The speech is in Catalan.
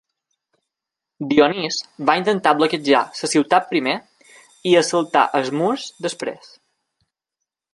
Dionís va intentar bloquejar la ciutat primer, i assaltar els murs després.